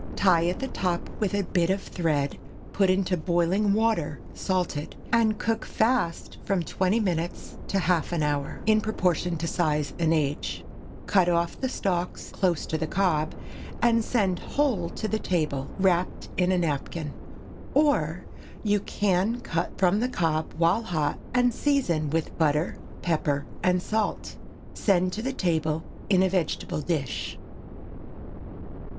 Tie at the top with a bit of thread, put into boiling water salted, and cook fast from twenty minutes to half an hour, in proportion to size and age. Cut off the stalks close to the cob, and send whole to table wrapped in a napkin. Or, you can cut from the cob while hot, and season with butter, pepper and salt. Send to table in a vegetable dish.